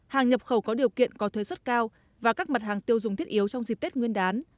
hàng nhập khẩu có điều kiện có thuê xuất cao và các mặt hàng tiêu dùng thiết yếu trong dịp tết nguyên đán